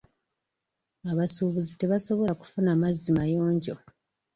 Abasuubuzi tebasobola kufuna mazzi mayonjo.